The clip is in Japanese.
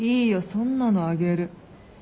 そんなのあげる。